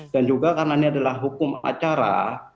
dan juga karena ini adalah hukum acara